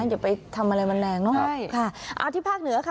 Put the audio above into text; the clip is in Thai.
อย่าไปทำอะไรมันแรงเนอะใช่ค่ะอ่าที่ภาคเหนือค่ะ